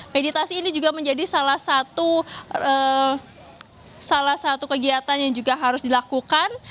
meditasi ini juga menjadi salah satu kegiatan yang juga harus dilakukan